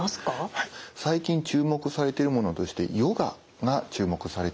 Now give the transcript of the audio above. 最近注目されているものとしてヨガが注目されています。